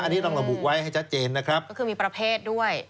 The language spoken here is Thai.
อันนี้ต้องระบุไว้ให้ชัดเจนนะครับก็คือมีประเภทด้วย